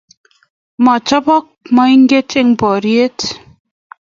Mo chobot moinget eng boriet